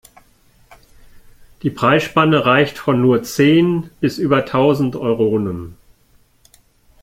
Die Preisspanne reicht von nur zehn bis über tausend Euronen.